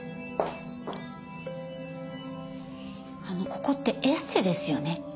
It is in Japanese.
あのここってエステですよね？